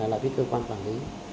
là biết cơ quan quản lý